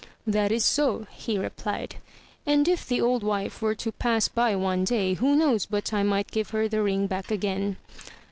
"That is so," he replied, "And if the old wife were to pass by one day, who knows but I might give her the ring back again."